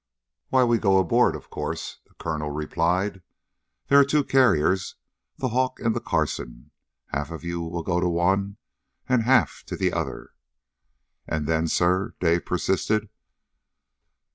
"Why, we go aboard, of course," the colonel replied. "There are two carriers. The Hawk, and the Carson. Half of you will go to one, and half to the other." "And then, sir?" Dave persisted.